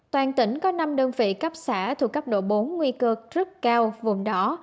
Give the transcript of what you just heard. toàn tỉnh có năm đơn vị cấp xã thuộc cấp độ bốn nguy cơ rất cao vùng đỏ